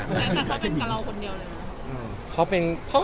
แต่เขาเป็นกับเราคนเดียวเลย